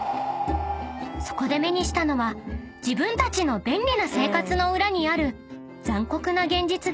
［そこで目にしたのは自分たちの便利な生活の裏にある］